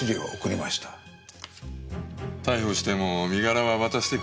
逮捕しても身柄は渡してくれないだろうね。